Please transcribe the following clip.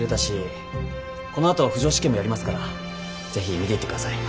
このあと浮上試験もやりますから是非見ていってください。